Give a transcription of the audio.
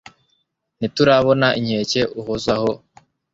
ntiturabona inkeke uhozwaho